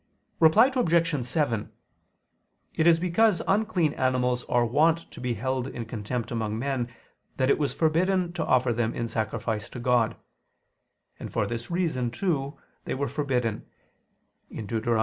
Reply Obj. 7: It is because unclean animals are wont to be held in contempt among men, that it was forbidden to offer them in sacrifice to God: and for this reason too they were forbidden (Deut.